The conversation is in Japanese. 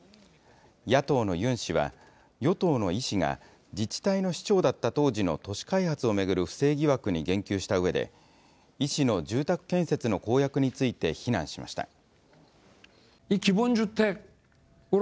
野党のユン氏は、与党のイ氏が自治体の市長だった当時の都市開発を巡る不正疑惑に言及したうえで、イ氏の住宅建設の公約について非難しました。